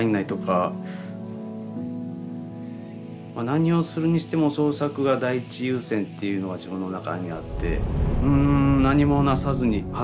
何をするにしても創作が第一優先っていうのが自分の中にあって。